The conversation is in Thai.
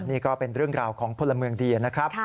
นี่ก็เป็นเรื่องราวของพลเมืองดีนะครับ